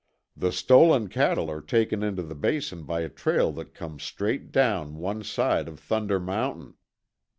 The stolen cattle are taken into the Basin by a trail that comes straight down one side of Thunder Mountain.